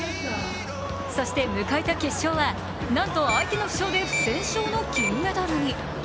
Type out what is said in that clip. そして迎えた決勝はなんと、相手の負傷で不戦勝の金メダルに。